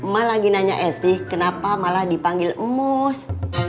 mak lagi nanya esi kenapa malah dipanggil mus